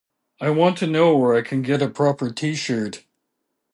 I want to know where I can get a proper t-shirt.